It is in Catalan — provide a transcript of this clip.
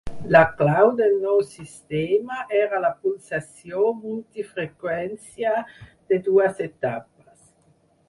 La clau del nou sistema era la pulsació multi-freqüència de dues etapes.